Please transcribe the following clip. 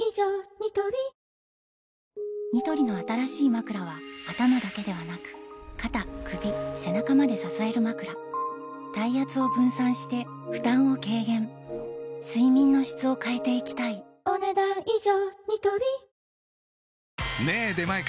ニトリニトリの新しいまくらは頭だけではなく肩・首・背中まで支えるまくら体圧を分散して負担を軽減睡眠の質を変えていきたいお、ねだん以上。